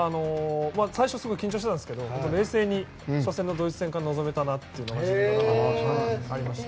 最初、すごい緊張していたんですけど冷静に初戦のドイツ戦から臨めたなというのが自分の中でありました。